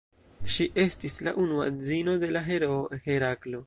Ŝi estis la unua edzino de la heroo Heraklo.